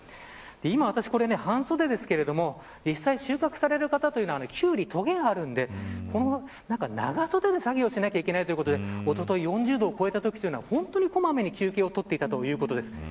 今、私、半袖ですけど実際収穫される方はキュウリはとげがあるのでこの中、長袖で作業しなけいけないのでおととい４０度を超えたときには小まめに休憩をとっていたということです。